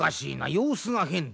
様子が変だ。